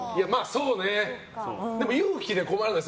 でも、勇気で困らない？